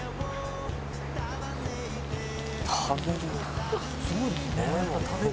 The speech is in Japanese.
食べるな。